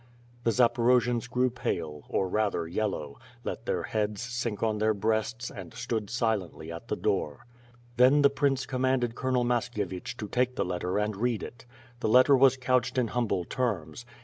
'^ The Zaporojians grew pale, or rather, yellow; let their heads sink on their breasts, and stood silently at the door. Then, the prince commanded Colonel Mashkievich to take the letter and read it. The letter was couched in humble terms.